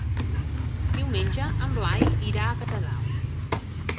Diumenge en Blai irà a Catadau.